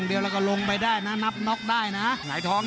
เราก็ลงไปได้นะนับน๊อกได้นะ